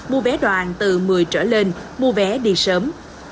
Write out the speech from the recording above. mua vé đoàn từ một mươi trở lên mua vé đi sớm